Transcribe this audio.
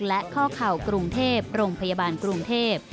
และข้อเข่ากรุงเทพโรงพยาบาลกรุงเทพ